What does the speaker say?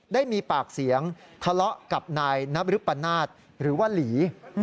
ได้มีปากเสียงทะเลาะกับนายนบริปนาศหรือว่าหลี